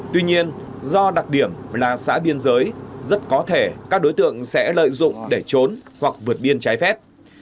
tuy nhiên do đặc điểm là xã biên giới rất có thể các đối tượng sẽ lợi dụng để trốn hoặc vượt biên trái phép